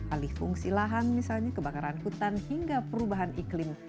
alih fungsi lahan misalnya kebakaran hutan hingga perubahan iklim